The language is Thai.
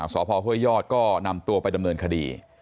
สพห้วยยอดก็นำตัวไปดำเนินคดี